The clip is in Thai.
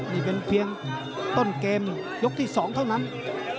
นี่เป็นเพียงต้นเกมยกที่๒เท่านั้น